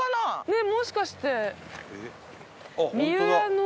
ねっもしかして。